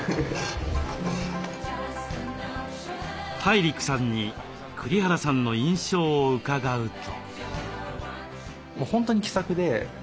ＴＡＩＲＩＫさんに栗原さんの印象を伺うと。